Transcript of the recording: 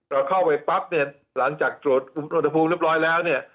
เราเข้าไปปั๊บเนี่ยหลังจากตรวจอุณหภูมิเรียบร้อยแล้วเนี่ย